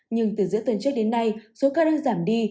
nhưng từ giữa tuần trước đến nay số ca đang giảm đi